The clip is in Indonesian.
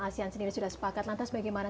asean sendiri sudah sepakat lantas bagaimana